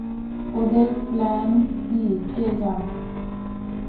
ওদের প্ল্যান কী কে জানে!